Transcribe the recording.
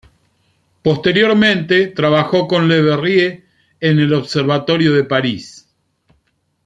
Posteriormente trabajó con Le Verrier en el observatorio de París.